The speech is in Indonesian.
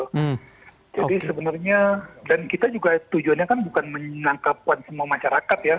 jadi sebenarnya dan kita juga tujuannya kan bukan menangkapkan semua masyarakat ya